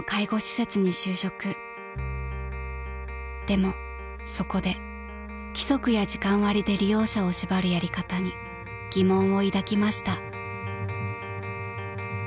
［でもそこで規則や時間割で利用者を縛るやり方に疑問を抱きました］